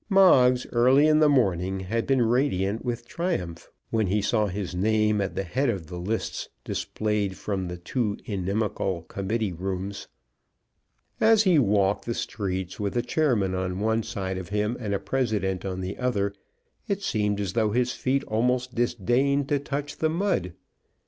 Moggs, early in the morning, had been radiant with triumph, when he saw his name at the head of the lists displayed from the two inimical committee rooms. As he walked the streets, with a chairman on one side of him and a president on the other, it seemed as though his feet almost disdained to touch the mud.